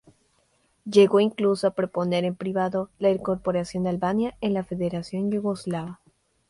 Llegó incluso a proponer en privado la incorporación de Albania en la federación yugoslava.